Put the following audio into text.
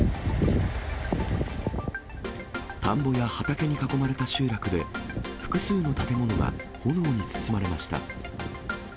田んぼや畑に囲まれた集落で、複数の建物が炎に包まれました。